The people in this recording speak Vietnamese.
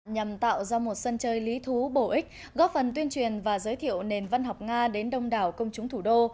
nhằm tạo ra một sân chơi lý thú bổ ích góp phần tuyên truyền và giới thiệu nền văn học nga đến đông đảo công chúng thủ đô